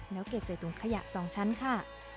แล้วเก็บใส่ถุงขยะ๒ชั้นค่ะ